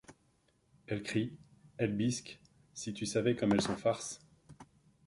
Elles crient, elles bisquent, si tu savais comme elles sont farces !